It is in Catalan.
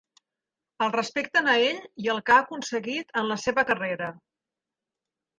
El respecten a ell i el que ha aconseguit en la seva carrera.